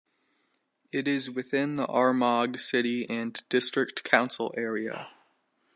It is within the Armagh City and District Council area.